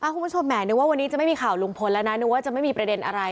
คุณผู้ชมแห่นึกว่าวันนี้จะไม่มีข่าวลุงพลแล้วนะนึกว่าจะไม่มีประเด็นอะไร